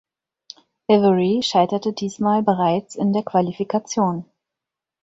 Ewry scheiterte diesmal bereits in der Qualifikation.